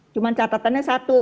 cuma catatannya satu